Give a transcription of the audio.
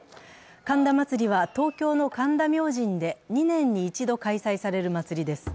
神田祭は東京の神田明神で２年に一度開催される祭りです。